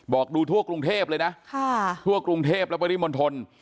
ดูทั่วกรุงเทพเลยนะทั่วกรุงเทพและปริมณฑล